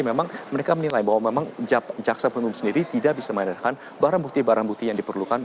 memang mereka menilai bahwa memang jaksa penuntut sendiri tidak bisa mengadakan barang bukti barang bukti yang diperlukan